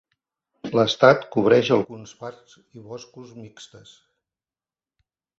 L'estat cobreix alguns parcs i boscos mixtes.